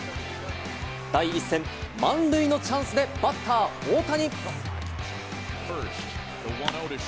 第１戦、満塁のチャンスでバッター・大谷。